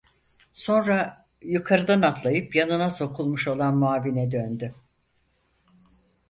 Sonra yukarıdan atlayıp yanına sokulmuş olan muavine döndü: